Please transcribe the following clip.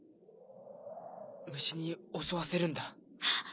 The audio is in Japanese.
蟲に襲わせるんだ。